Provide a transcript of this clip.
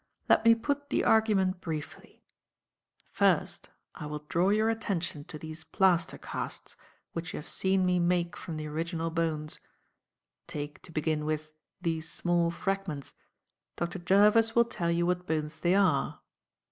Let me put the argument briefly. "First, I will draw your attention to these plaster casts, which you have seen me make from the original bones, Take, to begin with, these small fragments. Dr. Jervis will tell you what bones they are."